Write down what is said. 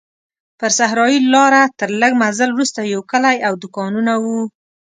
پر صحرایي لاره تر لږ مزل وروسته یو کلی او دوکانونه وو.